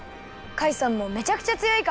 カイさんもめちゃくちゃつよいから！